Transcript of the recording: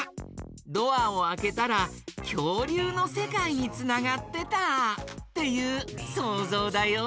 ドアをあけたらきょうりゅうのせかいにつながってたっていうそうぞうだよ！